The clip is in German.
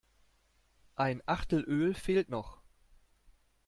Ein Achtel Öl fehlt noch.